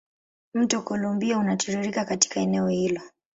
Mto Columbia unatiririka katika eneo hilo.